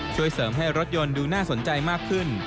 ช่วยเสริมให้รถยนต์ดูน่าสนใจมากขึ้น